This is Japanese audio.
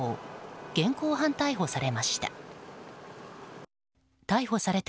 現行犯逮捕されました。